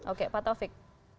oke pak taufik